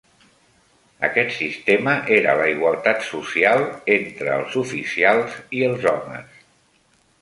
Aquest sistema era la igualtat social entre els oficials i els homes.